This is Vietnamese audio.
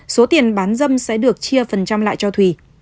số tiền bán dâm sẽ được chia phần trăm lại cho thùy